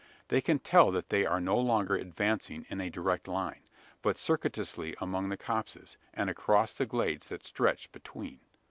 They can tell that they are no longer advancing in a direct line; but circuitously among the copses, and across the glades that stretch between.